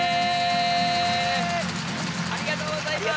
ありがとうございます。